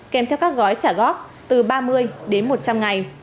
kèm theo các gói trả góp từ ba mươi đến một trăm linh ngày